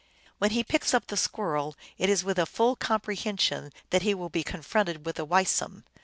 When he picks up the Squirrel it is with a full comprehension that he will be confronted with the Weisum.